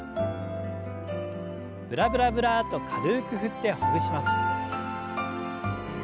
ブラブラブラッと軽く振ってほぐします。